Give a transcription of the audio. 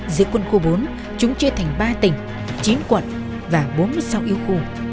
giữa quân khu bốn chúng chia thành ba tỉnh chín quận và bốn mươi sáu yếu khu